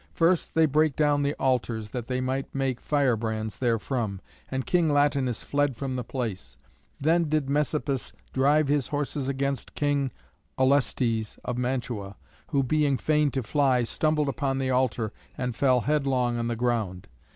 First they brake down the altars, that they might take firebrands therefrom; and King Latinus fled from the place. Then did Messapus drive his horses against King Aulestes of Mantua, who, being fain to fly, stumbled upon the altar and fell headlong on the ground.